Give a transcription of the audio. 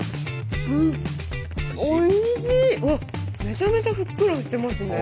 めちゃめちゃふっくらしてますね。